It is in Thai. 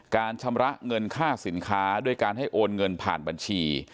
ชำระเงินค่าสินค้าด้วยการให้โอนเงินผ่านบัญชี